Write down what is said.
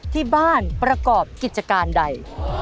ที่บ้านประกอบกิจการใด